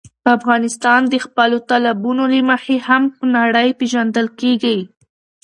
افغانستان د خپلو تالابونو له مخې هم په نړۍ پېژندل کېږي.